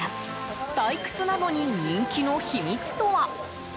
退屈なのに人気の秘密とは。